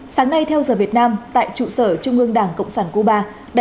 sáng nay theo giờ việt nam tại trụ sở trung ương đảng cộng sản cuba